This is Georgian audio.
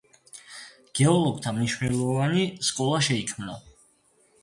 გეოლოგთა მნიშვნელოვანი სკოლა შექმნა.